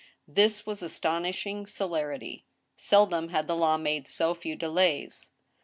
This was astonishing celerity. Seldom had the law made so few delays.